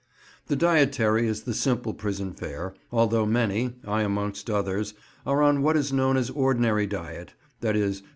The dietary is the simple prison fare, although many (I amongst others) are on what is known as ordinary diet—_i.e.